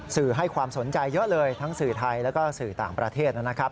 สื่อให้ความสนใจเยอะเลยทั้งสื่อไทยแล้วก็สื่อต่างประเทศนะครับ